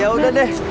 ya udah deh